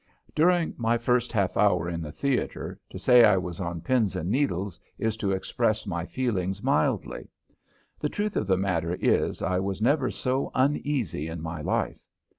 During my first half hour in that theater, to say I was on pins and needles is to express my feelings mildly. The truth of the matter is I was never so uneasy in my life.